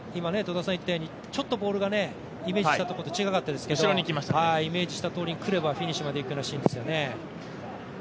ちょっとボールがイメージしたところと違いましたけどイメージしたとおりに来ればフィニッシュまでいくシーンですよね。